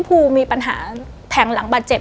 ภูมีปัญหาแทงหลังบาดเจ็บ